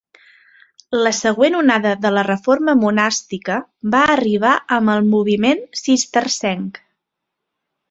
La següent onada de la reforma monàstica va arribar amb el moviment cistercenc.